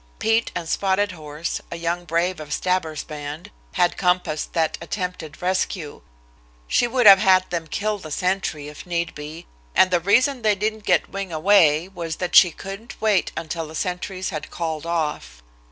Pete and Spotted Horse, a young brave of Stabber's band, had compassed that attempted rescue. She would have had them kill the sentry, if need be, and the reason they didn't get Wing away was that she couldn't wait until the sentries had called off.